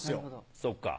そっか。